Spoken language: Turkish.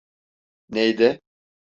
Neyde?